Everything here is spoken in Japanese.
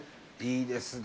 いいですね。